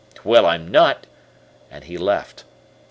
Well, I'm not," and he left.